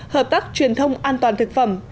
hợp tác truyền thông an toàn thực phẩm